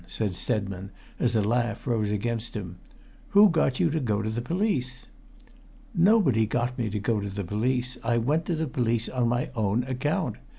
said Stedman, as a laugh rose against him. "Who got you to go to the police?" "Nobody got me to go to the police! I went to the police on my own account.